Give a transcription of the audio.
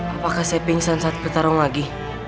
apakah saya pingsan saat bertarung lagi